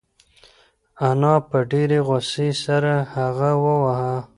انا په ډېرې غوسې سره هغه وواهه.